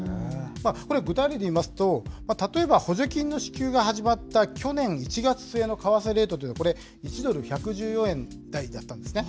これ、具体例でいいますと、例えば補助金の支給が始まった去年１月末の為替レートって、これ、１ドル１１４円台だったんですね。